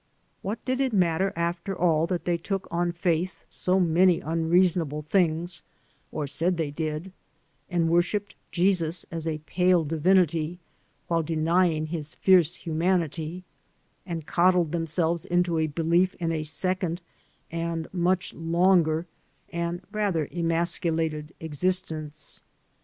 What did it matter, after all, that they took on faith so many unreasonable things, or said they did; and worshiped Jesus as a pale divinity while denying His fierce humanity; and coddled them selves into a belief in a second and much longer and rather emascidated existence?